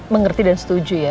mengerti dan setuju ya